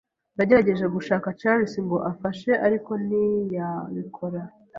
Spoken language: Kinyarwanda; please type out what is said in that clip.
Nagerageje gushaka Charles ngo amfashe, ariko ntiyabikora.